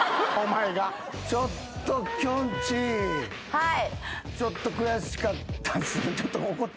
はい。